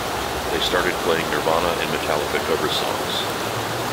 They started playing Nirvana and Metallica cover songs.